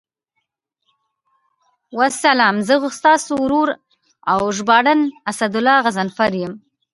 والسلام، زه ستاسو ورور او ژباړن اسدالله غضنفر یم.